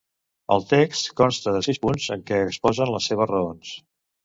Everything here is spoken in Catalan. El text consta de sis punts, en què exposen les seves raons.